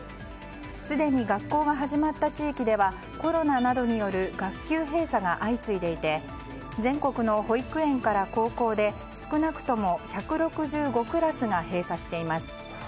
すでに学校が始まった地域ではコロナなどによる学級閉鎖が相次いでいて全国の保育園から高校で少なくとも１６５クラスが閉鎖しています。